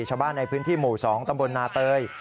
ชาวบ้านในพื้นที่หมู่๒ตำบลนาเตย